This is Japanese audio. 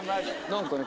何かね